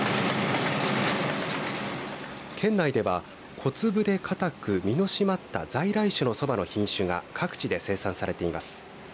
県内では、小粒で固く実のしまった在来種のそばの品種が各地で生産されています。